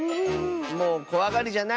もうこわがりじゃないね。